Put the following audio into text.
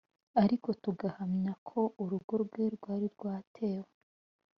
ariko tugahamya ko urugo rwe rwari rwatewe